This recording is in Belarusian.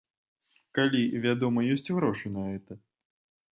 Калі, вядома, ёсць грошы на гэта.